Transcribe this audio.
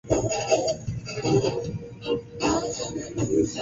kikubwa cha watumiaji kokeni huenda wasianze kuitumia hadi